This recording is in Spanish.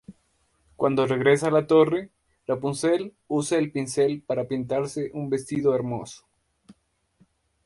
Cuando regresa a la torre, Rapunzel usa el pincel para pintarse un vestido hermoso.